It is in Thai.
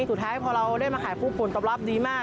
สุดท้ายพอเราได้มาขายปุ๊บผลตอบรับดีมาก